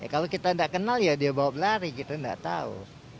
kalau kita tidak kenal ya dia bawa belari kita nggak tahu